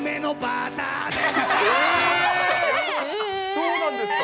そうなんですか。